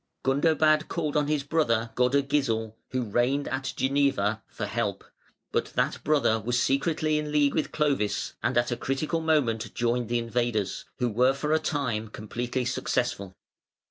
Gundobad called on his brother Godegisel, who reigned at Geneva, for help, but that brother was secretly in league with Clovis, and at a critical moment joined the invaders, who were for a time completely successful.